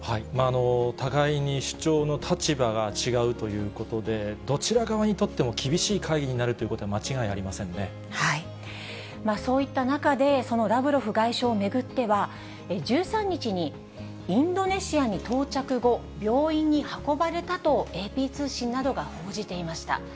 互いにしゅちょうの立場が違うということで、どちら側にとっても厳しい会議になるということそういった中で、そのラブロフ外相を巡っては、１３日にインドネシアに到着後、病院に運ばれたとＡＰ通信などが報じていました。